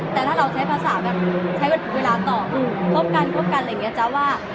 แต่ถ้าเราใช้ภาษาแบบใช้เวลาต่อคือคบกันคบกันอะไรอย่างนี้จ๊ะว่า